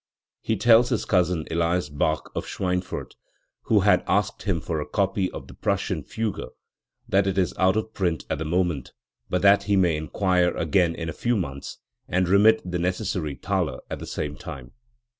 He tells his cousin EHas Bach, of Schweinfurt, who had asked him for a copy of the "Prussian Fugue", that it is out of print at the moment, but that he may inquire again in a few months, and remit the necessary thaler at the same time*.